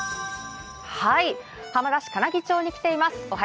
浜田市金城町に来ています。